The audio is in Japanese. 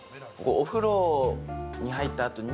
お風呂に入ったあとに、